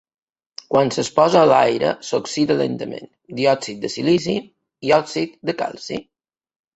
Quan s'exposa a l'aire s'oxida lentament, diòxid de silici i òxid de calci.